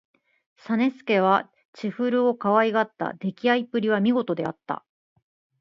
実資は千古をかわいがった。できあいっぷりは見事であった。